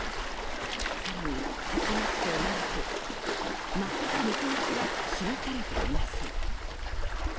更に８月となると全く見通しは示されていません。